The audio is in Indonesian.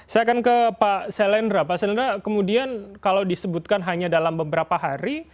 saya akan ke pak selendra pak selendra kemudian kalau disebutkan hanya dalam beberapa hari